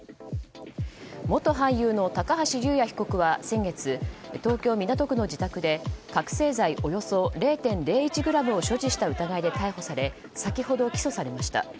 元俳優の高橋祐也容疑者は先月東京・港区の自宅で覚醒剤およそ０．０１ｇを所持した疑いで逮捕され先ほど起訴されました。